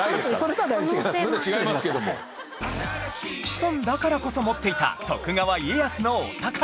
シソンだからこそ持っていた徳川家康のお宝